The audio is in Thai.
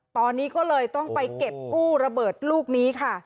ตอนนี้ก็เลยต้องไปเก็บกู้ระเบิดลูกนี้ค่ะ